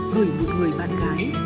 gửi một người bạn gái